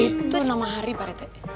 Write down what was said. itu nama hari pak rete